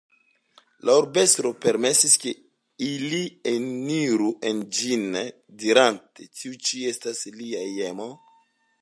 La urbestro permesis ke ili eniru en ĝin dirante "Tiu ĉi estas lia hejmo.